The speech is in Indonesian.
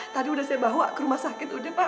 tadi udah saya bawa ke rumah sakit udah pak